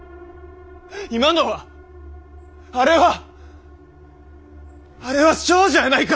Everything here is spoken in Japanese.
今のはあれはあれは少女やないか！